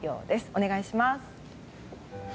お願いします。